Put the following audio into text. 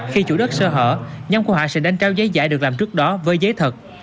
khi chủ đất sơ hở nhóm của họ sẽ đánh trao giấy giải được làm trước đó với giấy thật